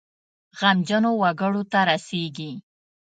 غمجنو وګړو ته رسیږي.